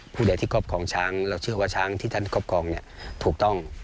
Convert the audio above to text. ผู้ใดที่ครอบครองช้างเราเชื่อว่าช้างที่ท่านครอบครองถูกต้อง